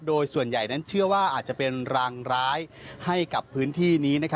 โดยส่วนใหญ่นั้นเชื่อว่าอาจจะเป็นรางร้ายให้กับพื้นที่นี้